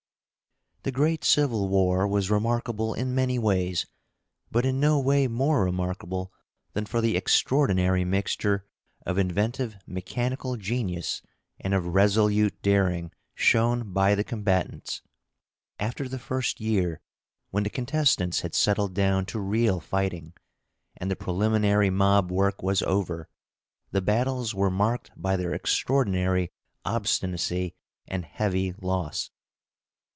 The great Civil War was remarkable in many ways, but in no way more remarkable than for the extraordinary mixture of inventive mechanical genius and of resolute daring shown by the combatants. After the first year, when the contestants had settled down to real fighting, and the preliminary mob work was over, the battles were marked by their extraordinary obstinacy and heavy loss.